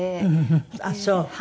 あっそう。